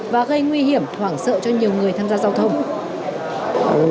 và gây nguy hiểm hoảng sợ cho nhiều người tham gia giao thông